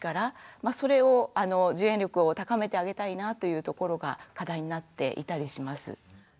まあそれを受援力を高めてあげたいなというところが課題になっていたりします。